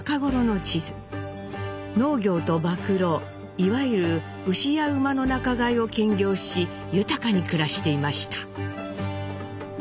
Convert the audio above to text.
農業と馬喰いわゆる牛や馬の仲買を兼業し豊かに暮らしていました。